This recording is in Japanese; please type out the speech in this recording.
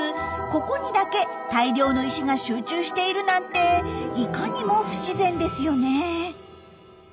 ここにだけ大量の石が集中しているなんていかにも不自然ですよね。